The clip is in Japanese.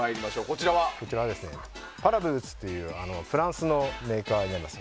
こちらは、パラブーツというフランスのメーカーになります。